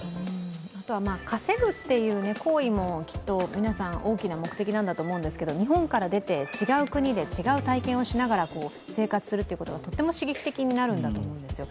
あとは稼ぐという行為も、きっと皆さん、大きな目的なんだと思うんですけど、日本から出て違う国で違う体験をしながら生活することがとても刺激的になるんだと思うんですよ。